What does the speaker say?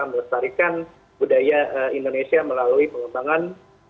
melestarikan budaya indonesia melalui pengembangan